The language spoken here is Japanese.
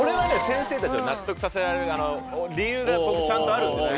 先生たちを納得させられる理由が僕ちゃんとあるんです。